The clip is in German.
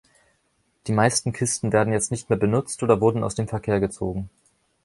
Die meisten Kisten werden jetzt nicht mehr benutzt oder wurden aus dem Verkehr gezogen.